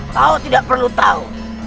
kau tidak perlu tahu